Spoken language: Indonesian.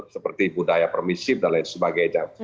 seperti budaya permisif dan lain sebagainya